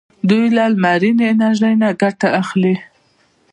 دوی د لمرینه انرژۍ نه ګټه اخلي.